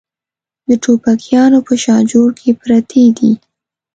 د ټوپکیانو په شاجور کې پرتې دي.